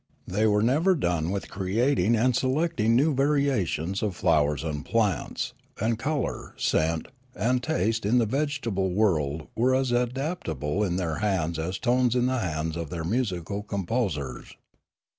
They were never done with creat ing and selecting new variations of flowers and plants, and colour, scent, and taste in the vegetable world were as adaptable in their hands as tones in the hands of their musical composers.